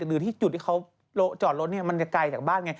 หรือที่จุดที่เขาจอดรถมันจะไกลจากบ้านไง